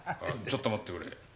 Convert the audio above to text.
ちょっと待ってくれ。